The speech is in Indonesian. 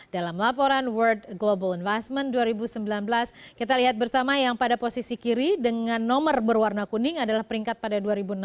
dalam laporan world global investment dua ribu sembilan belas kita lihat bersama yang pada posisi kiri dengan nomor berwarna kuning adalah peringkat pada dua ribu enam belas